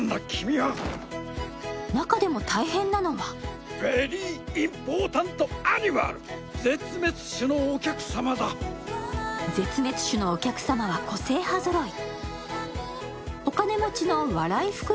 中でも大変なのは絶滅種のお客様は個性派ぞろい。